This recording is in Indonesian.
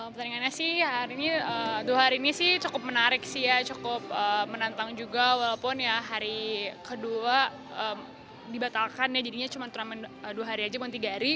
pertandingannya sih dua hari ini sih cukup menarik sih ya cukup menantang juga walaupun ya hari kedua dibatalkan ya jadinya cuma turnamen dua hari aja bukan tiga hari